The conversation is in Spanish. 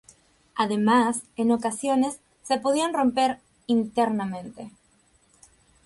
Además en ocasiones se podían romper internamente.